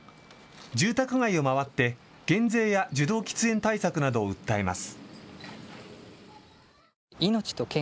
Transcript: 住宅街を回って、減税や受動喫煙対策などを訴えます。